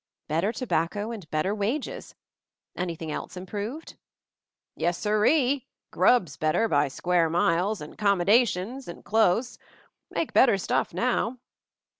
"Better tobacco and better wages — any thing else improved?" "Yes, sir eel Grub's better, by square miles — and 'commodations — an' close. Make better stuff now.